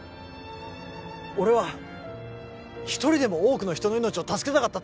俺は一人でも多くの人の命を助けたかった